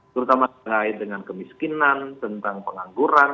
terutama terkait dengan kemiskinan tentang pengangguran